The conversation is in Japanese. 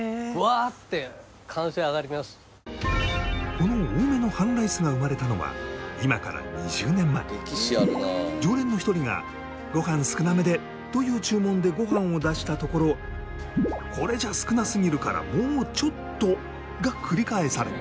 この多めの半ライスが生まれたのは常連の１人が「ご飯少なめで！」という注文でご飯を出したところ「これじゃ少なすぎるからもうちょっと」が繰り返され。